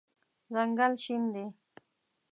ځنګل شین دی